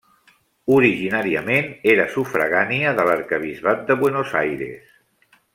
Originàriament era sufragània de l'arquebisbat de Buenos Aires.